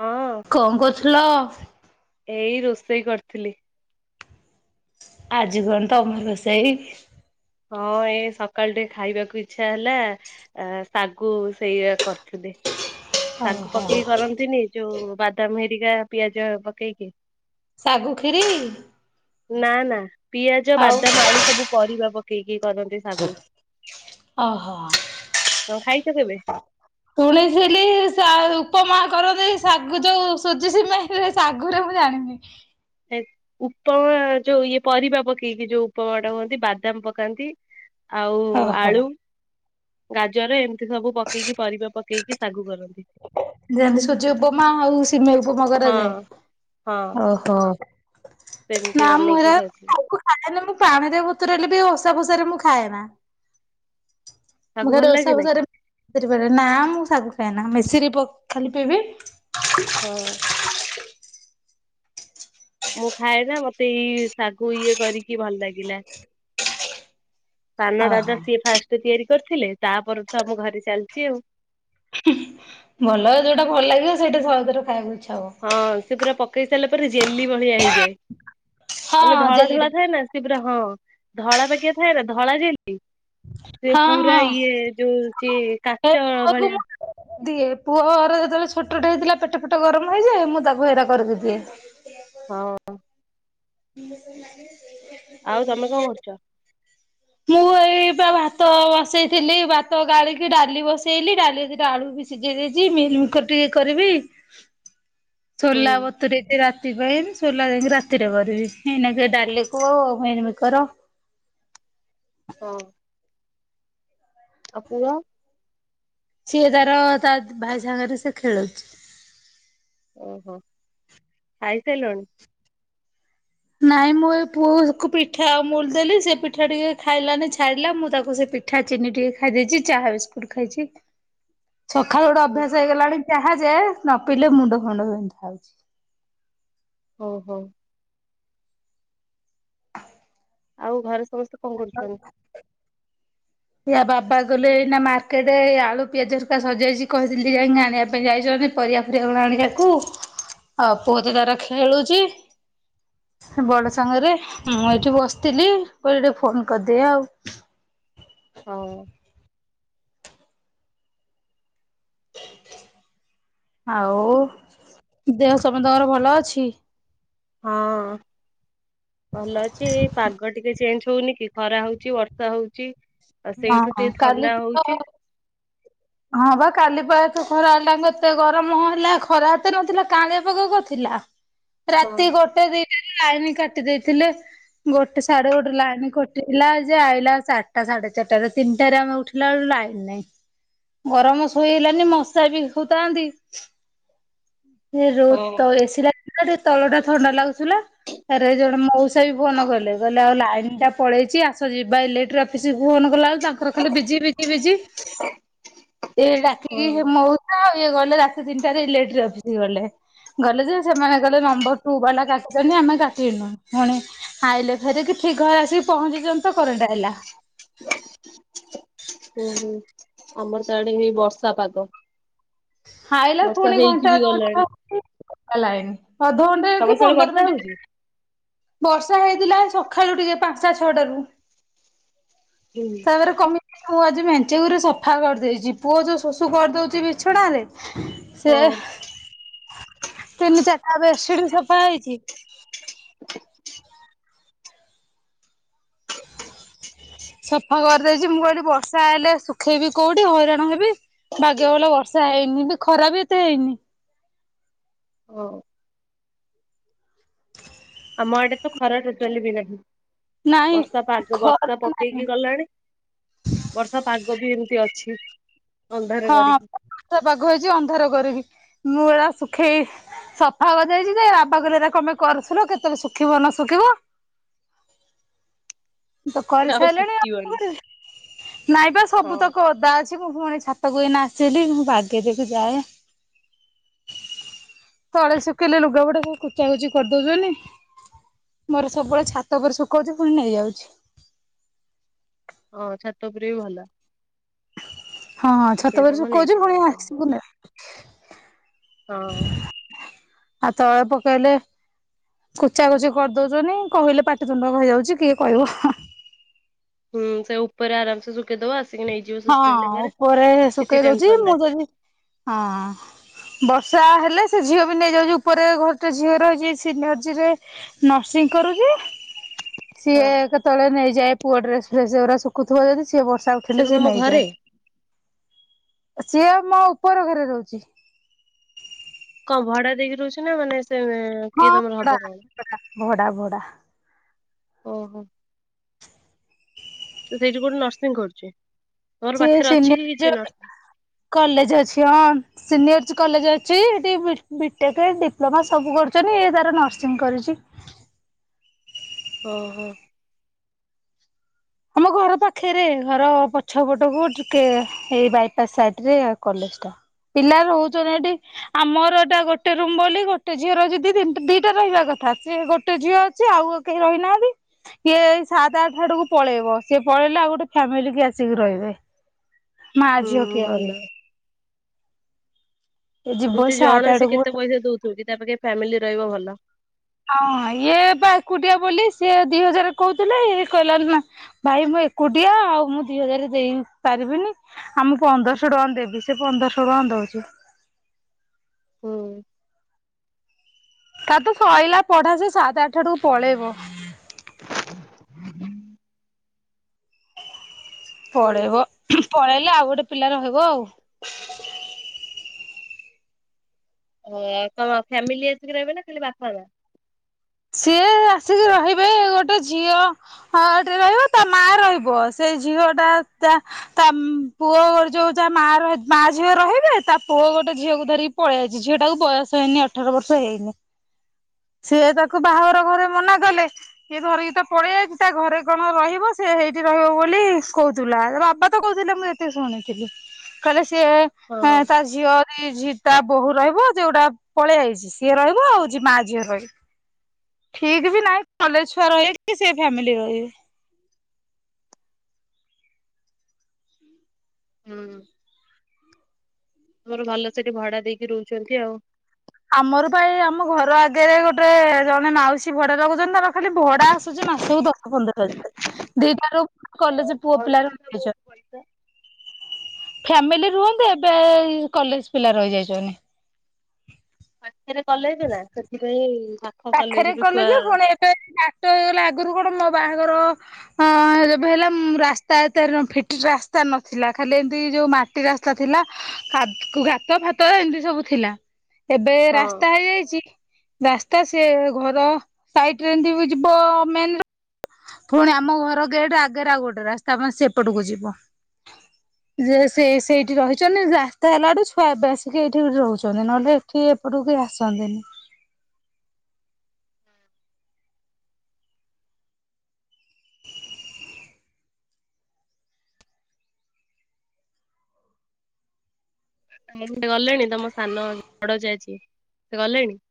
ହଁ। କଣ କରଥୁଲ? ଏଇ ରୋଷେଇ କରିଥିଲି। ଆଜି କଣ ତମ ରୋଷେଇ? ହଁ ଏଇ ସକାଳୁ ଟିକେ ଖାଇବାକୁ ଇଚ୍ଛା ହେଲା। ଆ ଶାଗୁ ସେଇ କରିଥିଲି। ଶାଗୁ ଓହୋ ପକେଇକି କରନ୍ତିନି ଯୋଉ ବାଦାମ ହେରିକା ପିଆଜ ପକେଇକି। ଶାଗୁ ଖିରି। ନା ନା ପିଆଜ ଆଉ ବାଦାମ ଆଳୁ ସବୁ ପରିବା ପକେଇକି କରନ୍ତି। ଶାଗୁ। ଓହୋ। କଣ ଖାଇଛ କେବେ? ଶୁଣି ସିଲି ଉପମା କରନ୍ତି ଶାଗୁ ଯୋଉ ସୁଜି ସିମେ ଶାଗୁରେ ମୁଁ ଜାଣିନି। ଏକ ଉପମା ଯୋଉ ଇଏ ପରିବା ପକେଇକି ଯୋଉ ଉପମା ଟା ହୁଅନ୍ତି ବାଦାମ ପକାନ୍ତି ଆଉ ଓହୋ ଆଳୁ, ଗାଜର ଏମିତି ସବୁ ପକେଇକି ପରିବା ପକେଇ କି ସାଗୁ କରନ୍ତି। ଯେମତି ସୁଜି ଉପମା ଆଉ ସିମେଇ ଉପମା କରାଯାଏ। ହଁ ହଁ ଓହୋ ସେମିତି ନାଁ ମୁଁ ବନେଇକି ହେରା ଖାଉଥିଲି ନାଁ ନାଁ ମୁଁ ପାଣିରେ ବତୁରେଇଲେବି ଓସା ଭୁସାରେ ମୁଁ ଖାଏ ନା। ମୁ ଶାଗୁ ଭଲ ଖାଲି ଓଷା ଲାଗେ ନା କି? ଭସାରେ ବି [unintelligible] ନା ମୁଁ ଶାଗୁ ଖାଏ ନା ଅମେଇ ମିଶିରି ପ ଖାଲି ପିଇବି। ହଁ ମୁଁ ଖାଏନା ମତେ ଇଏ ଶାଗୁ ଇଏ କରିକି ଭଲ ଲାଗିଲା। ସାନ ଓହୋ। ଦାଦା ସିଏ ଫାଷ୍ଟେ ତିଆରି କରିଥିଲେ। ତାପରେ ତ ଆମ ଘରେ ଚାଲିଚି ଆଉ। ଭଲ ଯୋଉଟା ଭଲ ଲାଗିଲା ସେଇଟା ସହଜରେ ଖାଇବାକୁ ଇଚ୍ଛା ହବ। ହଁ ସେ ପୁରା ପକେଇ ସାରିଲା ପରେ ଜେଲି ଭଳିଆ ହେଇଯାଏ। ମାନେ ହଁ ଧଳା ଧଳା ଥାଏ ଜେଲିଟା ନା। ସିଏ ପୁରା ହଁ ଧଳା ପାଗିଆ ଥାଏ ନା ଧଳା ଯେଲି। ସେ ହଁ ପୁରା ହଁ ଇଏ ଯୋଉ ସେ ହେ କାଚ ପୁଅକୁ ଭଳିଆ। ମୁଁ ଦିଏ ପୁଅ ର ଯେତେବେଳେ ଛୋଟଟେ ହେଇଥିଲା ପେଟ ଫେଟ ଗରମ ହେଇଯାଏ ମୁଁ ତାକୁ ଏରା କରିକି ଦିଏ। ହଁ [unintelligible] ଆଉ ତମେ କଣ କରୁଚ? ମୁଁ ଏଇପା ଭାତ ବସେଇଥିଲି ଭାତ ଗାଳିକି ଡାଲି ବସେଇଲି ଡାଲିରେ ଦିଟା ଆଳୁ ବି ସିଯେଇ ଦେଇଚି ମିଲ୍ ମିକର୍ ଟିକେ କରିବି ହୁଁ ସୋଲା ବ ବତୁରେଇଚି ରାତି ପାଇଁ ସୋଲା ଯାଇକି ରାତିରେ କରିବି। ଏଇନାକେ ଡାଲିକୁ ମିଲ୍ ମିକର୍ ହଁ ଆଉ ପୁଅ? ସିଏ ତାର ତା ଭାଇ ସାଙ୍ଗରେ ସେ ଖେଳୁଚି। ଓହୋ ଖାଇସାରିଲଣି? ନାଇଁ ମୁଁ ଏ ପୁଅକୁ ପିଠା ଆଉ ଅମୁଲୁ ଦେଲି ସେ ପିଠା ଟିକେ ଖାଇଲାନି ଛାଡ଼ିଲା ମୁଁ ତାକୁ ସେ ପି ପିଠା ଚିନି ଟିକେ ଖାଇ ଦେଇଚି ଚାହା ବିସ୍କୁଟ ଖାଇଚି। ସକାଳୁ ଗୋଟେ ଅଭ୍ୟାସ ହେଇଗଲାଣି ଚାହା ଯେ ନ ପିଇଲେ ମୁଣ୍ଡ ଫୁଣ୍ଡ ବିନ୍ଧା ହଉଚି। ହୋଉ ହୋଉ ଆଉ ଘରେ ସମସ୍ତେ କଣ ହଉ କରୁଛନ୍ତି? [unintelligible] ୟା ବାବା ଗଲେ ଏଇନା ମାର୍କେଟେ ଆଳୁ ପିଆଜ ହରିକା ସରଜାଇଛି କହିଥିଲି ଟିକେ ଯାଇକି ଆଣିବା ପାଇଁ ଯାଇଛନ୍ତି। ପରିବା ଫରିବା ଗୁଡା ଆଣିଆକୁ ଆଉ ପୁଅ ତ ତାର ଖେଳୁଚି। ସେ ବଡ ସାଙ୍ଗରେ ମୁଁ ଏଇଠି ବସିଥିଲି କଇଲି ଟିକେ ଫୋନ କରିଦିଏ ଆଉ। ହଉ ଆଉ ଦେହ ସମସ୍ତଙ୍କର ଭଲ ଅଛି। ହଁ ଭଲ ଅଛି ଏଇ ପାଗ ଟିକେ ଚେଞ୍ଜ ହଉନି କି ଖରା ହଉଚି ବର୍ଷା ହଉଚି। ଆ ହଁ। ସେଇଠୁ ଟିକେ କାଲି ଥଣ୍ଡା ହଉଚି। ତ ହଁ ବା କାଲି ପା ଏତେ ଖରା ହେଲା ନେ ଏତେ ଗରମ ହେଲା ଖରା ଏତେ ନଥିଲା କାଁଳିଆ ପାଗ କରିଥିଲା। [inaudible] ରାତି ଗୋଟେ ଦିଟାରେ ଲାଇନ କାଟି ଦେଇଥିଲେ। ଗୋଟେ ସାଢେ ଗୋଟେ ଲାଇନ କଟିଲା ଯେ ଆଇଲା ଚାରଟା ସାଢେ ଚାରିଟାରେ ତିନିଟାରେ ଆମେ ଉଠିଲା ଆଳୁ ଲାଇନ ନାଇଁ। ଗରମ ଶୋଇ ହେଲାନି ମଶା ବି ହଉଥାନ୍ତି। [inaudible] ଏ ରୋ ହଁ ତଳେ ଏସି ଲାଗ ତଳ ଟା ଥଣ୍ଡା ଲାଗୁ ଥୁଲା ତାରେ ଜଣେ ମଉସା ବି ଫୋନ କଲେ କଇଲେ ଆଉ ଲାଇନ୍ ଟା ପଳେଇଛି ଆସ ଯିବା ଇଲେକ୍ଟ୍ରି ଅଫିସକୁ ଫୋନ କଲାଆଳକୁ ତାଙ୍କର ଖାଲି ବିଜି ବିଜି ବିଜି। ଏ ହୁଁ ଡାକିକି ମଉସା ଇଏ ଗଲେ ରାତି ତିନିଟାରେ ଇଲେଟ୍ରି ଅଫିସ ଗଲେ। ଗଲେ ଯେ ସେମାନେ ଗଲେ ନମ୍ବର ଟୁ ବାଲା କାଟିଛନ୍ତି ଆମେ କାଟିିନୁ ଫୁଣି ଆଇଲେ ଫେରିକି ଠିକ ଘରେ ଆସିକି ପହଞ୍ଚିନ୍ତ ତ କରେଣ୍ଟ ଆଇଲା। ହୁଁ ହୁଁ ଆମର ତ ଆଡେ ଏଇ ବର୍ଷା ପାଗ। ଖାଇଲା ବର୍ଷା ପୁଣି ହେଇକି ଘଣ୍ଟା ଅ ବି ଗଲାଣି। ଘଣ୍ଟ ଲ ଅଧଘଣ୍ଟା ତମର କି ସିଆଡେ ପନ୍ଦର ବର୍ଷା ମିନିଟି ହଉଛି? ବର୍ଷା ହେଇଥିଲା ଏ ସକାଳୁ ଟିକେ ପାଞ୍ଚଟା ଛଅଟାରୁ ହୁଁ ତାପରେ କମି ମୁଁ ଆଜି ମେଞ୍ଚେୁଗୁରେ ସଫା କରିଦେଇଛି ପୁଅ ଯୋଉ ଶୁଶୁ କରିଦଉଛି ବିଛଣା ରେ ସେ ହଁ। ତିନି ଚାରିଟା ବେଶିଟି ସଫା ହେଇଚି। ସଫା କରିଦେଇଚି ମୁଁ କହିଁଲି ବର୍ଷା ହେଲେ ଶୁଖେଇବି କୋଉଠି ହଇରାଣ ହେବି। ଭାଗ୍ୟ ଭଲ ବର୍ଷା ହେଇନି ଖରା ବି ଏତେ ହେଇନି। [unintelligible] ଆମ ଆଡେ ତ ଖରା ଟୋଟାଲି ବି ନାହିଁ। ନାଇଁ ବର୍ଷା ପାଗ ଖରା ବର୍ଷା ନାହିଁ ପକେଇକି ଗଲାଣି। ବର୍ଷା ପାଗ ବି ଏମିତି ଅଛି। ଅନ୍ଧାର ହଁ କରିକି। ବର୍ଷା ପାଗ ହେଇଛି ଅନ୍ଧାର କରିକି ମୁଁ ଏରା ଶୁଖେଇ ସଫା କରି ଦେଇଚି ଯେ ବାବା କଇଲେ ଏରା କଣ ପାଇଁ କରୁଥିଲ କେତେବେଳେ ଶୁଖିବ ନ ଶୁଖିବ। ମୁଁ ତ ଏ କରିସାରିଲେଣି ଆଉ କ ଶୁଖିବନି। କରିବି ନାଇଁ ବା ହଁ ସବୁ ତକ। ଦା ଅଛି ମୁଁ ପୁଣି ଛାତକୁ ଏଇନା ଆସିଲି ମୁଁ ବାଗେଇ ଦେବୀକୁ ଯାଏ। ତଳେ ଶୁଖେଇଲେ ଲୁଗାଗୁଡ଼ା ସବୁ କୁଚା କୁଚି କରିଦଉଛନ୍ତି। ମୋର ସବୁବେଳେ ଛାତ ପରେ ଶୁଖଉଛି ପୁଣି ନେଇଯାଉଛି। ହଁ ଛାତ ଉପରେ ବି ଭଲ। ହଁ ହଁ ଛାତ ଉପରେ ଶୁଖେଇଦବ ସୁଖଉଚି ନେଇଯିବ ପୁଣି ଆସିକି ନେ ହଁ। ଆଉ ତଳେ ପକେଇଲେ। କୁଚା କଚି କରିଦଉଛନି କହିଲେ ପାଟିିତୁଣ୍ଡ କ ହେଇଯାଉଛି କିଏ କହିବ। ହୁଁ ସେ ଉପରେ ଆରାମସେ ଶୁଖେଇଦବ ଆସ ହଁ ଉପରେ କିଛି ଶୁଖେଇ ଦଉଛି ଟେନସନ ନାହିଁ। ମୁଁ ଯଦି, ହଁ ବର୍ଷା ହେଲେ ସେ ଝିଅ ବି ନେଇଯାଉଛି ଉପରେ ଘରଟେ ଝିଅ ରହିଛି ସେ ନଝିରେ ନର୍ସିଂ କରୁଚି। ହଁ ସିଏ କେତେବେଳେ ନେଇଯାଏ ପୁଅ ଡ୍ରେସ ଫ୍ରେସ୍ ଗୁଡା ଶୁଖୁଥିବ ଯଦି ସିଏ ବର୍ଷା ଥିଲେ କଣ ସେ ତମ ଘରେ? ନେଇଯାଏ ସିଏ ମୋ ଉପର ଘରେ ରହୁଚି। କଣ ଭଡା ଦେଇକି ରହୁଚି ନା ମାନେ ସେ କିଏ ହଁ ତମର ହବ କଣ। ଭଡା ଭଡା ଭଡା ଓହୋ। ତ ସେଇଠି ଗୋଟେ ନର୍ସିଂ କରୁଛି ତୋର ସିଏ ପାଖରେ ଅଛି କି କିଛି ସିନିୟର ନର୍ସିଂ। କଲେଜ ଅଛି ହଁ ସିନିୟର୍ କଲେଜ ଅଛି ଏଠି ବିଟେକ୍ ଡିପ୍ଲୋମା ସବୁ କରୁଛନ୍ତି ଏ ତାର ନର୍ସିଂ କରୁଚି। ଓହୋ। ଆମ ଘର ପାଖରେ ଘର ପଛ ପଟକୁ ଟିକେ ଏଇ ବାଇପାସ ସାଇଟ୍ ରେ କଲେଜ ଟା ପିଲା ରହୁଛନ୍ତି ହେଠି ଆମର ଏଟା ଗୋଟେ ରୁମ୍ ବୋଲି ଗୋଟେ ଝିଅର ଯଦି ଦି ତିନ୍ ଦିଟା ରହିବା କଥା ସିଏ ଗୋଟେ ଝିଅ ଅଛି ଆଉ କେହି ରହିନାହାନ୍ତି ଇଏ ସାତ ଆଠେ ଆଡକୁ ପଳେଇବ ସିଏ ପଳେଇଲେ ଆଉ ଗୋଟେ ଫ୍ୟାମିଲି କିଏ ଆସିକି ରହିବେ ମା ହୁଁ ଝିଅ କିଏ ଭଲ ରହିବେ। ଯିବ ଏମତି ସାତ ଜଣ ସେ ଆଡକୁ କେତେ ପଇସା ଦଉଥିବ କି ତା ପାଖେ ଫ୍ୟାମିଲି ରହିବ ଭଲ। ହଁ ଇଏ ବା ଏକୁଟିଆ ବୋଲି ସିଏ ଦି ହଜାର କହୁଥିଲେ ଇଏ କହିଲା ନା ଭାଇ ମୁଁ ଏକୁଟିଆ ଆଉ ମୁଁ ଦି ହଜାର ଦେଇ ପାରିବିନି। ଆ ମୁଁ ପନ୍ଦର ଶହ ଟଙ୍କା ଦେବି ସେ ପନ୍ଦର ଶହ ଟଙ୍କା ଦୋଉଛି। ହୁଁ। ତା ତ ସଇଲା ପଢା ସେ ସାତ ଆଠା ଆଡକୁ ପଳେଇବ। ପଢଳେଇବ ପଳେଇଲେ ଆଉ ଗୋଟେ ପିଲା ରହିବ ଆଉ। ଓ ଆଉ କଣ ଫ୍ୟାମିଲି ଆସିକି ରହିବେ ନା ଖାଲି ବାପା ମା। ସିଏ ଆସିକି ରହିବେ ଗୋଟେ ଝିଅ ଅ ଟିରେ ରହିବ ତା ମା ରହିବ ସେଇ ଝିଅ ଟା ତା ତା ପୁଅ ଗୋ ଯୋଉ ଯାହା ମା ରହି ମା ଝିଅ ରହିବେ ତା ପୁଅ ଗୋଟେ ଝିଅକୁ ଧରିକି ପଳେଇଆଇଚି ଝିଅଟାକୁ ବୟସ ହେଇନି ଅଠର ବର୍ଷ ହେଇନି। ସିଏ ତାକୁ ବାହାଘର ଘରେ ମନା କଲେ। ସିଏ ଧରିକି ତ ପଳେଇ ଆଇଚି ତା ଘରେ କଣ ରହିବ ସେ ହେଇଠି ରହିବ ବୋଲି କହୁଥିଲା ବାପା ତ କହୁଥିଲେ ମୁଁ ଟିକେ ଶୁଣିଥିଲି କହିଲେ ହଁ ସିଏ ହଁ। ତା ଝୀ ଝିଅ ଦି ଝିଅ ତା ବୋହୂ ରହିବ ଯଉଟା ପଳେଇ ଆଇଛି ସିଏ ରହିବ ଆଉ ଝୀ ମା ଝିଅ ରହିବେ। ଠିକ୍ ବି ନାହିଁ କଲେଜ ଛୁଆ ରହିବେ କି ସେ ଫ୍ୟାମିଲି ରହିବେ। ହୁଁ। ତମର ଭଲ ସେଠି ଭଡା ଦେଇକି ରହୁଛନ୍ତି ଆଉ। ଆମର ପା ଏଇ ଆମ ଘର ଆଗରେ ଗୋଟେ ଜଣେ ମାଉସୀ ଭଡ଼ା ଲଗଉଚନ୍ତି ତାର ଖାଲି ଭଡା ଆସୁଛି ମାସକୁ ଦଶ ପନ୍ଦର ହଜାର ଦିଟାରୁ ହଁ କଲେଜ ପୁଅ ପିଲା ଭଡାରେ ପା ବହୁତ ରହିଯାଇଛନ୍ତି। ପଇସା। ଫ୍ୟାମିଲି ରୁହନ୍ତି ଏବେ କଲେଜ ପିଲା ରହିଯାଇଚନ୍ତି। ପାଖେରେ କଲେଜ ନାଁ ସେଥିପାଇଁ ଭା ପାଖରେ କଲେଯେ ଫୁଣି ଏବେ ହାଟ ହେଇଗଲା ଆଗୁରୁ କଣ ମୋ ବାହାଘର ହଁ ଯେବେ ହେଲା ମ୍ ରାସ୍ତା ଏତେ ନ ଫିଟି ରାସ୍ତା ନଥିଲା ଖାଲି ଏମିତି ଯୋଉ ମା ଟି ରାସ୍ତା ଥିଲା କାଦ ଗାତ ଫାତ ଏମିତି ସବୁ ଥିଲା। ଏବେ ହଁ ରାସ୍ତା ହେଇଯାଇଚି ରାସ୍ ସ୍ତା ସେ ଘର ସାଇଟିରେ ଏମତି ବ ଯିବ ମେନ୍ ରୋଡ୍ ପୁଣି ଆମ ଘର ଗେଟ ଆଗରେ ଆଉ ଗୋଟେ ରାସ୍ତା ମା ସେପଟକୁ ଯିବ। ଯେ ସେ ସେଇଠି ରହିଛନ୍ତି ରାସ୍ତା ହେଲାଠୁ ଛୁଆ ଆସିକି ଏଇଠିି ରହୁଛନ୍ତି ନହେଲେ ଏଠି ଏପଟକୁ କେହି ଆସନ୍ତିନି। [inaudible] ମୁଁ ସେ ଗଲେଣି ତମ ସାନ ଜା ବଡଜା ଯିଏ ସେ ଗଲେଣି?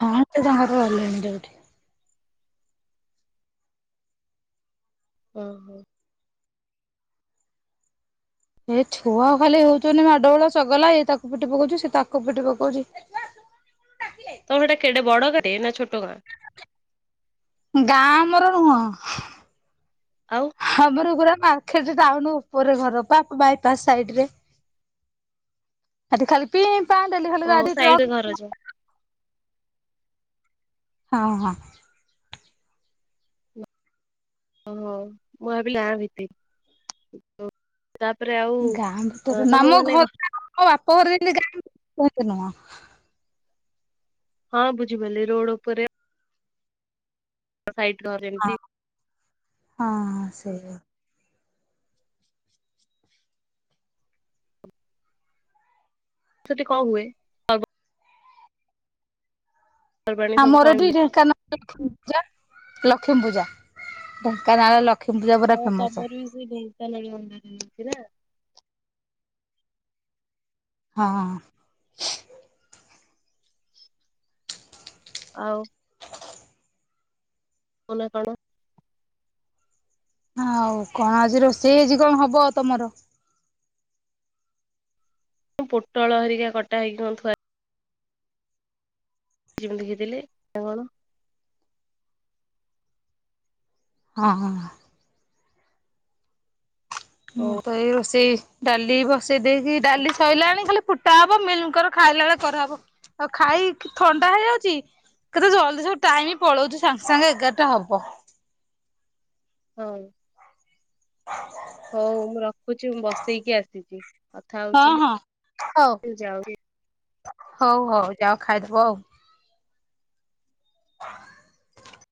ହଁ ସେ ତାଙ୍କରେ ଗଲେଣି ଯୋଉଠି ଓ ହୋ। ଏ ଛୁଆ ଖାଲି ହଉଛନ୍ତି ମାଡଗୋଳ ଚଗଲା ଏ ତାକୁ ପିଟି ପକଉଛି ସେ ତାକୁ ପିଟି ପକଉଛି। ତମର ସେଟା କେଡେ ବଡ ଗାଁ ନା ଛୋଟ ଗାଁ? ଗାଁ ଆମର ନୁହଁ। ଆଉ। ଆମର ପୁରା ପାଖରେ ଟାଉନ ଉପରେ ଘର ପାକ ବାଇପାସ ସାଇଡ ରେ। ଏଠି ଖାଲି ପିଇଁ ପାଁ ଡେଲି ଖାଲି ଗାଡି ଘରେ ଟ୍ରକ। ଅଛିି। ହଁ ହଁ। ଓହୋ ମୁଁ ଭାବିଲି ଗାଁ ଭିତରେ। ତାପରେ ଆଉ ତମକୁ ମାନେ ଘ ମୋ ବାପ ଘର ଯାଇଥିଲି ବହୁତ ଦିନ। ହଁ ବୁଝିପାଇଲି ରୋଡ ଉପରେ ସାଇଟ ଘର ହଁ ଯେମିତି। ହଁ ସେୟା। ସେଠି କଣ ହୁଏ? ପର୍ବାଣୀ ସବୁ ଆମର କଣ ଏଠି ହୁଏ? ଢେଙ୍କାନାଳ ପୂଜା ଲକ୍ଷ୍ମୀ ପୂଜା ଢେଙ୍କାନାଳ ଲକ୍ ଓତମର ବି ସେ ଢେଙ୍କାନାଳୀ ଅଣ୍ଡା ମିିସ୍ତ୍ରୀ ଟା। ହଁ ହଁ ହଁ। ଆଉ। ତମ ନା କଣ? ଆଉ କଣ ଆଜି ରୋଷେଇ ହେଇଚି କଣ ହବ ତମର? ପୋଟଳ ହରିକା କଟା ହେଇ କଣ ଥୁ ଜିମିତି ଦେଖିଦେଲି ଆଉ କଣ। ହଁ ହଁ। ମୁଁ ହଉ ତ ଏଇ ରୋଷେଇ ଡାଲି ବସେଇ ଦେଇଛି ଡାଲି ସଇଲାଣି ଖାଲି ଫୁଟା ହବ ମିଲମିିକର ଖାଇଲା ବେଳେ କରାହବ। ଆଉ ଖାଇ ଥଣ୍ଡା ହେଇଯାଉଚି କେତେ ଜଲଦି ସବୁ ଟାଇମ ପଳଉଛି ସାଙ୍ଗ ସାଙ୍ଗେ ଏଗାରଟା ହବ। ହଏ। ହଉ ମୁଁ ରଖୁଛି ମୁଁ ବସେଇକି ଆସିଚି କଥା ହଁ ହଉଥିଲି। ହଁ ହଉ ତ ଯାଉଛି। ହଉ ହଉ ଯାଅ ଖାଇଦବ ଆଉ। [inaudible]